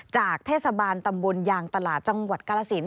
จากเทศบาลตำบลยางตลาดจังหวัดกาลสิน